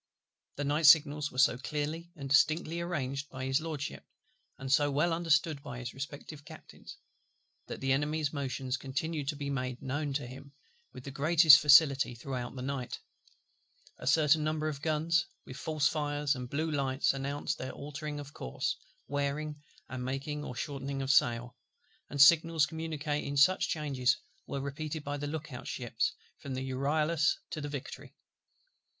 The night signals were so clearly and distinctly arranged by His LORDSHIP, and so well understood by the respective Captains, that the Enemy's motions continued to be made known to him with the greatest facility throughout the night: a certain number of guns, with false fires and blue lights announced their altering their course, wearing, and making or shortening sail; and signals communicating such changes were repeated by the look out ships, from the Euryalus to the Victory.